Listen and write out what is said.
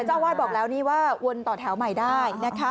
แต่เจ้าวาดบอกแล้วว่าวนต่อแถวใหม่ได้นะคะ